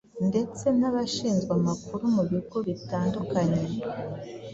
ndetse n’abashinzwe amakuru mu bigo bitandukanye.